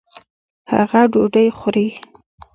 هغه ډوډۍ خوري.